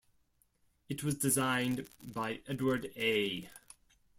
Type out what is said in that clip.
It was designed by Edward A.